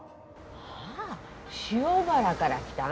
ああ塩原から来たあの人ね。